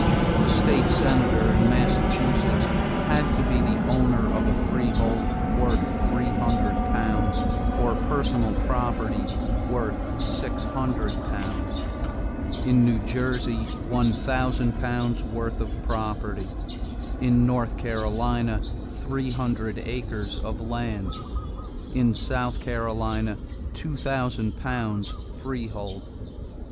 A state senator in Massachusetts had to be the owner of a freehold worth three hundred pounds or personal property worth six hundred pounds; in New Jersey, one thousand pounds' worth of property; in North Carolina, three hundred acres of land; in South Carolina, two thousand pounds freehold.